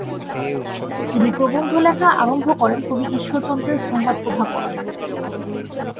তিনি প্রবন্ধ লেখা আরম্ভ করেন কবি ইশ্বরচন্দ্রের ‘সংবাদ প্রভাকর’-এ।